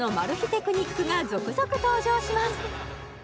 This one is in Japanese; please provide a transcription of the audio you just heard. テクニックが続々登場します！